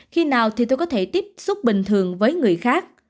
khi nào thì tôi có thể tiếp xúc bình thường với người khác